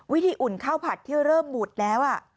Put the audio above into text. อุ่นข้าวผัดที่เริ่มหมุดแล้ว